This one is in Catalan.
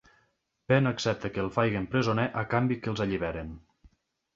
Pen accepta que el facin presoner a canvi que els alliberin.